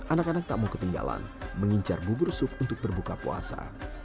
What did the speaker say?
anak anak tak mau ketinggalan mengincar bubur sup untuk berbuka puasa